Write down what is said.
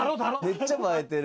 めっちゃ映えてる。